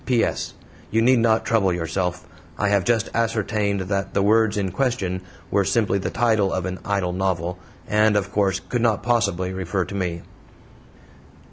P.S. You need not trouble yourself. I have just ascertained that the words in question were simply the title of an idle novel, and, of course, could not possibly refer to ME.